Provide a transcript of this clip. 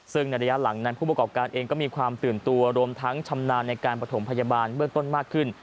ซึ่งในระยะหลังนั้นผู้ประกอบการเองก็มีความตื่นตัวรวมทั้งชำนาญในการประถมพยาบาลเบื้องต้นมากขึ้น